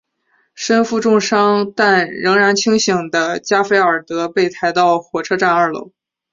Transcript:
身受重伤但仍然清醒的加菲尔德被抬到火车站二楼。